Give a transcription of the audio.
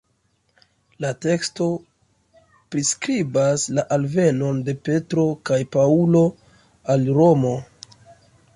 La teksto priskribas la alvenon de Petro kaj Paŭlo al Romo.